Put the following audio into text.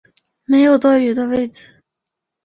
没有多余的位子